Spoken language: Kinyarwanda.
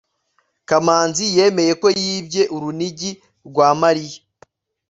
kamanzi yemeye ko yibye urunigi rwa mariya